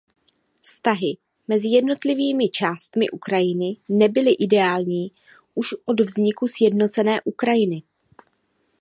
Vztahy mezi jednotlivými částmi Ukrajiny nebyly ideální už od vzniku sjednocené Ukrajiny.